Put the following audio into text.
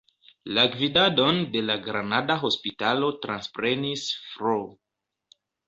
La gvidadon de la granada hospitalo transprenis Fr.